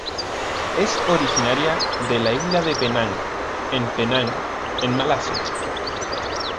Es originaria de la isla de Penang en Penang en Malasia.